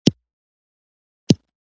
ته غلی شه!